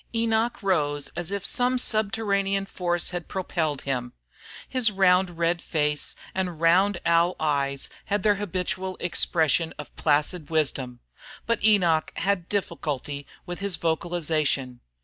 Enoch rose as if some subterranean force had propelled him. His round red face and round owl eyes had their habitual expression of placid wisdom. But Enoch had difficulty with his vocalization.